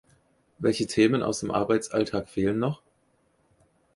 Welche Themen aus dem Arbeitsalltag fehlen noch?